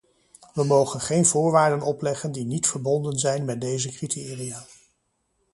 We mogen geen voorwaarden opleggen die niet verbonden zijn met deze criteria.